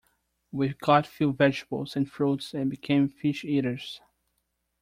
We got few vegetables and fruits, and became fish eaters.